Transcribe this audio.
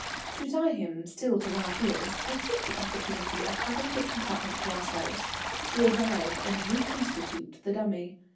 To tie him still to our heels, I took the opportunity of having the compartment to ourselves to revive and reconstitute the dummy.